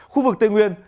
khu vực tây nguyên